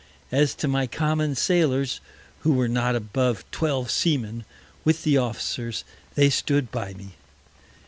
As to my common Sailors, who were not above Twelve Seamen, with the Officers, they stood by me.